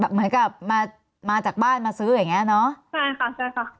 เหมือนกับมามาจากบ้านมาซื้ออย่างเงี้เนอะใช่ค่ะใช่ค่ะ